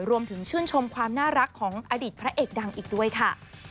รวมถึงชื่นชมความน่ารักของอดีตพระเอกดังอีกด้วยค่ะ